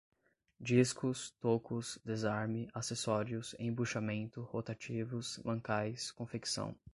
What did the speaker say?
discos, tocos, desarme, acessórios, embuchamento, rotativos, mancais, confecção